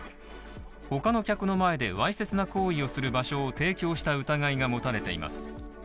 他の客の前でわいせつな行為をする場所を提供した疑いが持たれています。